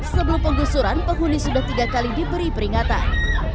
sebelum penggusuran penghuni sudah tiga kali diberi peringatan